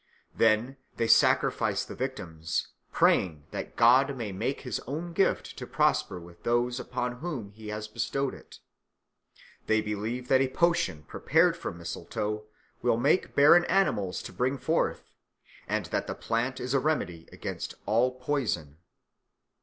Then they sacrifice the victims, praying that God may make his own gift to prosper with those upon whom he has bestowed it. They believe that a potion prepared from mistletoe will make barren animals to bring forth, and that the plant is a remedy against all poison."